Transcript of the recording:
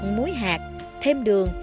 muối hạt thêm đường